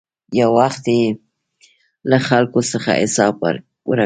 یو وخت به یې له خلکو څخه حساب ورک وي.